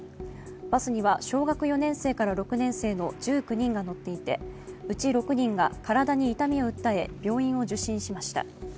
バスには小学４年生から６年生の１９人が乗っていてうち６人が体に痛みを訴え病院を受診しました。